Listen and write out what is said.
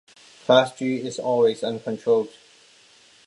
Class G is always uncontrolled.